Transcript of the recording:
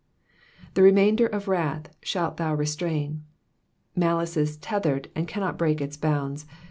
^''The remainder of wrath shalt thou restrain.'''' Malice is tethered and cannot break its bounds.